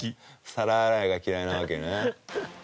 皿洗いが嫌いなわけね。